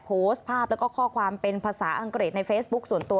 โพสต์ภาพแล้วก็ข้อความเป็นภาษาอังกฤษในเฟซบุ๊คส่วนตัว